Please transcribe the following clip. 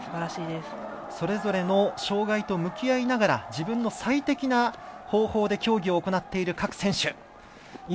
それぞれの障がいと向き合いながら自分の最適な方法で競技を行っている各選手。